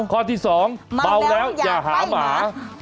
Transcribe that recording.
ข้อที่๒เมาแล้วอย่าหาหมา